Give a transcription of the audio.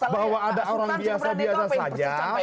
bahwa ada orang biasa biasa saja